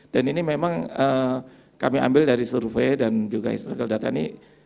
dan ini memang kami ambil dari survei dan juga historical data ini